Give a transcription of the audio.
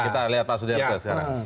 kita lihat pak sudirta sekarang